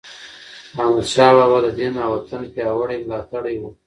احمدشاه بابا د دین او وطن پیاوړی ملاتړی و.